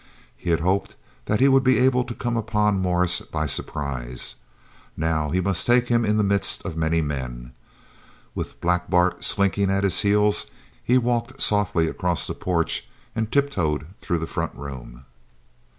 He had hoped that he would be able to come upon Morris by surprise. Now he must take him in the midst of many men. With Black Bart slinking at his heels he walked softly across the porch and tiptoed through the front room.